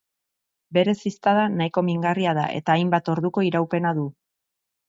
Bere ziztada nahiko mingarria da, eta hainbat orduko iraupena du.